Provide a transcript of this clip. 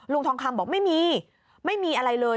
ทองคำบอกไม่มีไม่มีอะไรเลย